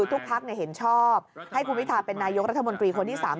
ภักดิ์เห็นชอบให้คุณพิทาเป็นนายกรัฐมนตรีคนที่๓